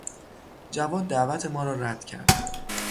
جواد دعوت ما را رد کرد.